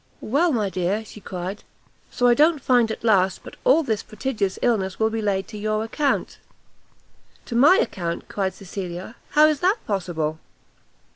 "Well, my dear," she cried, "so I don't find at last but that all this prodigious illness will be laid to your account." "To my account?" cried Cecilia, "how is that possible?"